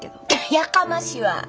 やかましわ！